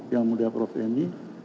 yang mulia prof ini